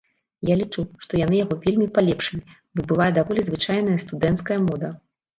Я лічу, што яны яго вельмі палепшылі, бо была даволі звычайная студэнцкая мода.